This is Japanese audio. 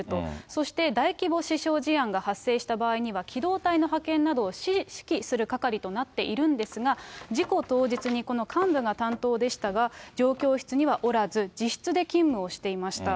そして、大規模死傷事案が発生した場合には、機動隊の派遣などを指揮する係となっているんですが、事故当日にこの幹部が担当でしたが、状況室にはおらず、自室で勤務をしていました。